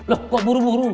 loh kok buru buru